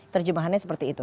terjemahannya seperti itu